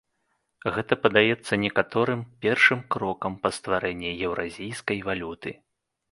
Гэта падаецца некаторым першым крокам па стварэнні еўразійскай валюты.